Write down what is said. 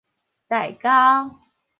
代溝